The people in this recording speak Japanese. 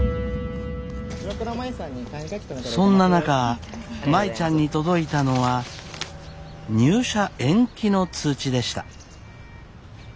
そんな中舞ちゃんに届いたのは入社延期の通知でした。